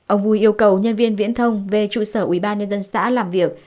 ông vui yêu cầu nhân viên viễn thông về trụ sở ubnd xã làm việc